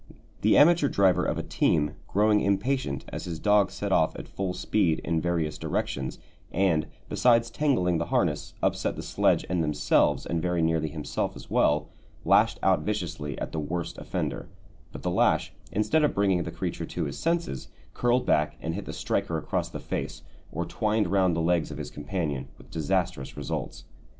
The amateur driver of a team, growing impatient as his dogs set off at full speed in various directions, and, besides tangling the harness, upset the sledge and themselves and very nearly himself as well, lashed out viciously at the worst offender; but the lash, instead of bringing the creature to his senses, curled back and hit the striker across the face, or twined round the legs of his companion, with disastrous results.